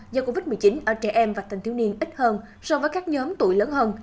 do covid một mươi chín ở trẻ em và thanh thiếu niên ít hơn so với các nhóm tuổi lớn hơn